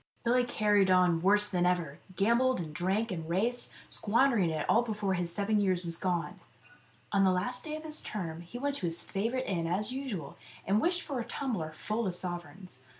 Billy carried on worse than ever; gambled and drank and raced, squandering it all before his seven years was gone. On the last day of his term he went to his favourite inn as usual and wished for a tumbler full of sovereigns.